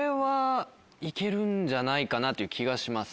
んじゃないかなという気がします。